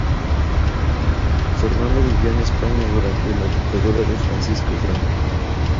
Fernando vivió en España durante la dictadura de Francisco Franco.